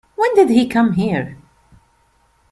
When did he come here?